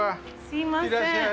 すいません。